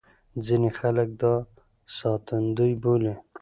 ځينې خلک دا ساتندوی بولي.